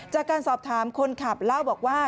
จากการสอบถามคนขับเล่าบอกว่า